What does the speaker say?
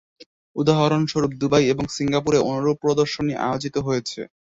উদাহরণস্বরূপ দুবাই এবং সিঙ্গাপুরে অনুরূপ প্রদর্শনী আয়োজিত হয়েছে।